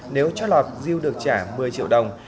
nếu chót lọt diêu được trả một mươi triệu đồng